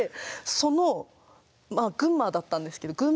その群馬だったんですけどえ。